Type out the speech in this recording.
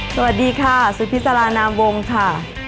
สวัสดีสวัสดีค่ะสุพิษศาลานาโมงค่ะ